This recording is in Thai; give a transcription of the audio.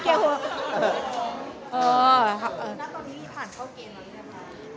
นับร้อนมีผ่านเข้าเกณฑ์ได้ไหมครับ